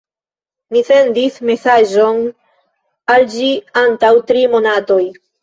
Mi sendis mesaĝon al ĝi antaŭ tri monatoj.